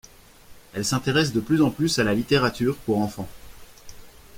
Elle s'intéresse de plus en plus à la littérature pour enfants.